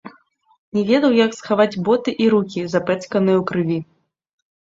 Не ведаў, як схаваць боты і рукі, запэцканыя ў крыві.